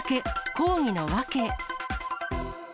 抗議の訳。